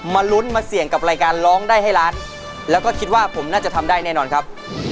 มาลุ้นมาเสี่ยงกับรายการร้องได้ให้ล้านแล้วก็คิดว่าผมน่าจะทำได้แน่นอนครับ